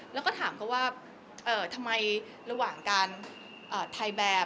แล้วก็ถามเขาว่าทำไมระหว่างการถ่ายแบบ